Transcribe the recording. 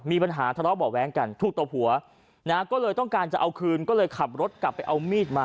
มีปัญหาทะเลาะเบาะแว้งกันถูกตบหัวนะฮะก็เลยต้องการจะเอาคืนก็เลยขับรถกลับไปเอามีดมา